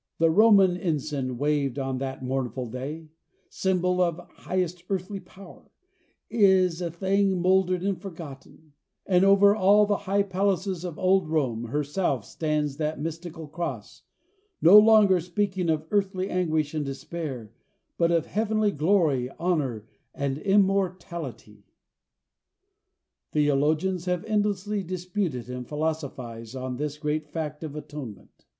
The Roman ensign that waved on that mournful day, symbol of highest earthly power, is a thing mouldered and forgotten; and over all the high places of old Rome, herself stands that mystical cross, no longer speaking of earthly anguish and despair, but of heavenly glory, honor, and immortality. Theologians have endlessly disputed and philosophized on this great fact of atonement.